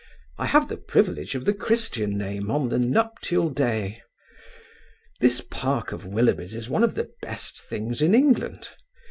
I have the privilege of the Christian name on the nuptial day. This park of Willoughby's is one of the best things in England.